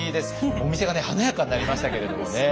お店が華やかになりましたけれどもね。